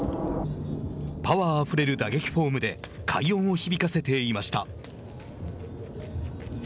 パワーあふれる打撃フォームで快音を響かせていました。